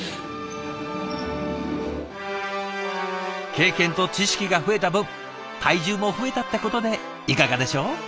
経験と知識が増えた分体重も増えたってことでいかがでしょう？